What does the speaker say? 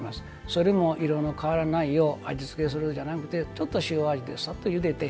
それも、色の変わらないよう味付けするんじゃなくてちょっと塩味で、サッとゆでて。